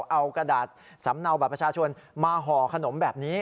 เอากระดาษสำเนาบัตรประชาชนมาห่อขนมแบบนี้